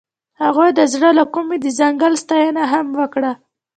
هغې د زړه له کومې د ځنګل ستاینه هم وکړه.